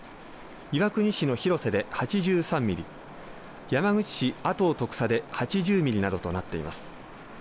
岩国市の広瀬で８３ミリ山口市阿東徳佐で８０ミリなどとなっています。